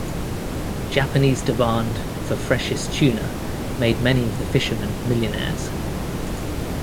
Japanese demand for freshest tuna made many of the fishermen millionaires.